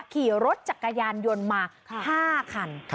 ขี่รถจักรยานยนต์มา๕คัน